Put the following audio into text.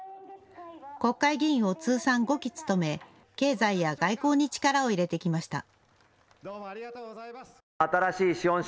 国会議員を通算５期務め、経済や外交に力を入れてきました。